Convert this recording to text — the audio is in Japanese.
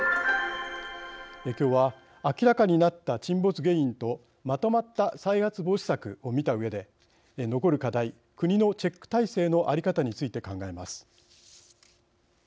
今日は明らかになった沈没原因とまとまった再発防止策を見たうえで残る課題、国のチェック体制のあり方について考えます。